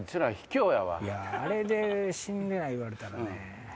あれで「死んでない」言われたらね。